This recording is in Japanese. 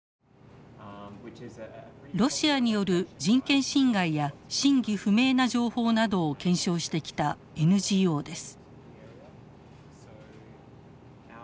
ロシアによる人権侵害や真偽不明な情報などを検証してきたＮＧＯです。